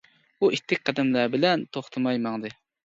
ئۇ ئىتتىك قەدەملەر بىلەن توختىماي ماڭدى.